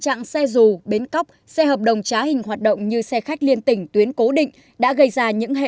hóa khóc xe hợp đồng trá hình hoạt động như xe khách liên tỉnh tuyến cố định đã gây ra những hệ